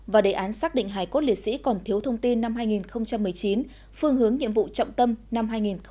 và đề án xác định hải cốt liệt sĩ còn thiếu thông tin năm hai nghìn một mươi chín phương hướng nhiệm vụ trọng tâm năm hai nghìn hai mươi